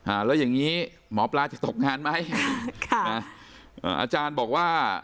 อ่าแล้วยังงี้หมอปลาจะตกงานไหมค่ะอาจารย์บอกว่า